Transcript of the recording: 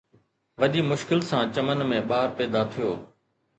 وڏي مشڪل سان چمن ۾ ٻار پيدا ٿيو.